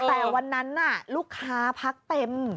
แต่วันนั้นลูกค้าพักเต็ม